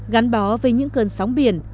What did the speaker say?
gắn bó về những cơn sóng biển